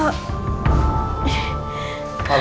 aku dimana sih